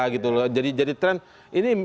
gitu loh jadi tren ini